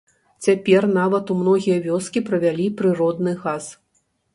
Цяпер нават у многія вёскі правялі прыродны газ.